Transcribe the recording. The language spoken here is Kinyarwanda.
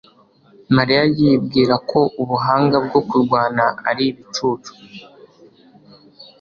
Mariya yibwira ko ubuhanga bwo kurwana ari ibicucu